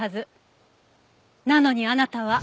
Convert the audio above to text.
なのにあなたは。